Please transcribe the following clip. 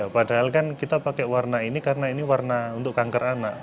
padahal kan kita pakai warna ini karena ini warna untuk kanker anak